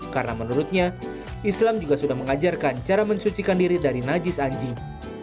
karena menurutnya islam juga sudah mengajarkan cara mensucikan diri dari najis anjing